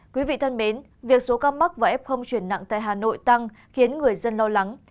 quý vị thân mến việc số ca mắc và f chuyển nặng tại hà nội tăng khiến người dân lo lắng